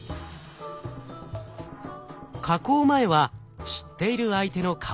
加工前は知っている相手の顔。